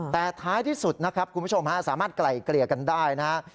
แต่ท้ายที่สุดนะครับคุณผู้ชมฮะสามารถไกล่เกลี่ยกันได้นะครับ